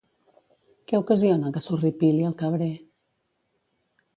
Què ocasiona que s'horripili el cabrer?